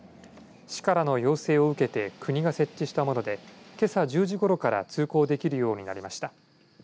市からの要請を受けて国が設置したものでけさ１０時ごろから通行できるようになりました。